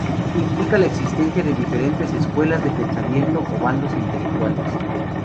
Implica la existencia de diferentes escuelas de pensamiento o bandos intelectuales.